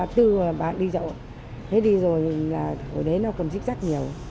từ bà đi chậu hết đi rồi hồi đấy nó còn dích dắt nhiều